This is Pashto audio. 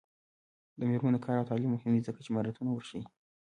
د میرمنو کار او تعلیم مهم دی ځکه چې مهارتونه ورښيي.